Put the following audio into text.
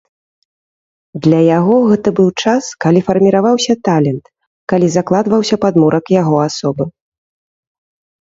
Для яго гэта быў час, калі фарміраваўся талент, калі закладваўся падмурак яго асобы.